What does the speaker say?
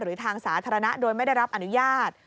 หรือทางสาธารณะโดยไม่ได้รับอนุญาต